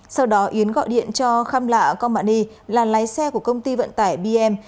sau đó yến gọi điện cho khâm lạ công mạ ni là lái xe của công ty vận tải bm